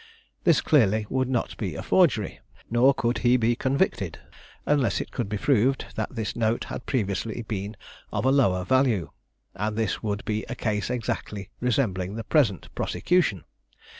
This clearly would not be a forgery, nor could he be convicted, unless it could be proved that this note had previously been of a lower value, and this would be a case exactly resembling the present prosecution.